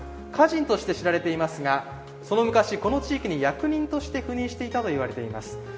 歌人として知られていますがその昔この地域に役人として赴任していたといわれています。